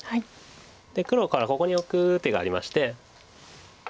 黒からここにオク手がありまして。